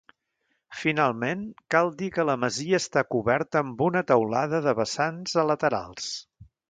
Finalment, cal dir que la masia està coberta amb una teulada de vessants a laterals.